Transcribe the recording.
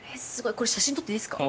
これ写真撮っていいですか？